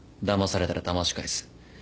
だまされたらだまし返す